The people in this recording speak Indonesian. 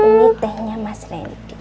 ini tehnya mas randy